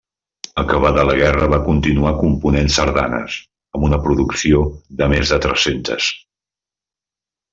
Acabada la guerra va continuar component sardanes, amb una producció de més de tres-centes.